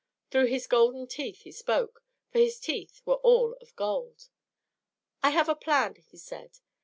Through his golden teeth he spoke, for his teeth were all of gold. "I have a plan," he said.